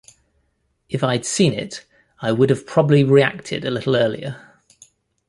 If I'd seen it, I would've probably reacted a little earlier.